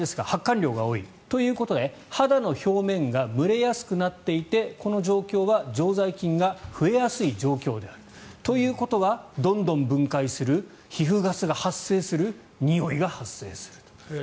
当たり前ですが発汗量が多いということで肌の表面が蒸れやすくなっていてこの状況が常在菌が増えやすい状況だ。ということは、どんどん分解する皮膚ガスが発生するにおいが発生すると。